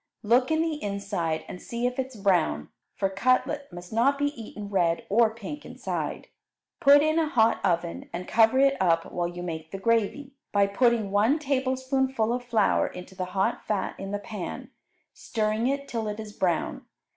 Look in the inside and see if it is brown, for cutlet must not be eaten red or pink inside. Put in a hot oven and cover it up while you make the gravy, by putting one tablespoonful of flour into the hot fat in the pan, stirring it till it is brown.